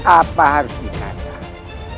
apa harus dikatakan